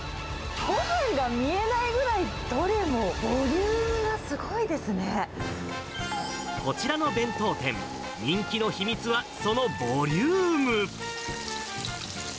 ごはんが見えないぐらい、こちらの弁当店、人気の秘密はそのボリューム。